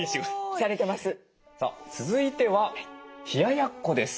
さあ続いては冷ややっこです。